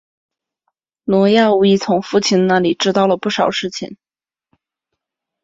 挪亚无疑从父亲那里知道不少事情。